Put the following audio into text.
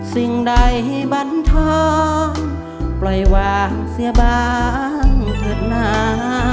สิ่งใดให้บรรท้องปล่อยวางเสียบางเถิดหนา